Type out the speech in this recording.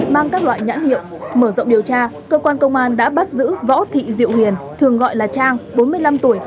mang các loại nhãn hiệu mở rộng điều tra cơ quan công an đã bắt giữ võ thị diệu huyền thường gọi là trang bốn mươi năm tuổi